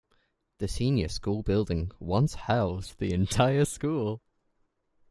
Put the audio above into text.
The senior school building once housed the entire school.